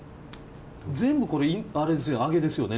全部これ揚げですよね？